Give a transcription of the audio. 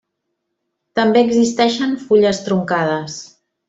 També existeixen fulles truncades.